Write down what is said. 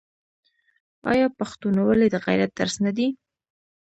آیا پښتونولي د غیرت درس نه دی؟